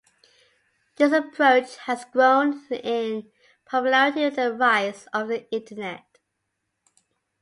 This approach has grown in popularity with the rise of the Internet.